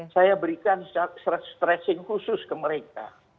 saya berikan stressing khusus ke mereka